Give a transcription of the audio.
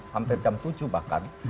hampir jam tujuh bahkan